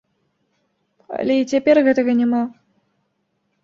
Але і цяпер гэтага няма.